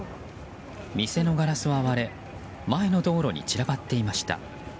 店のガラスは割れ前の道路に散らばっていました。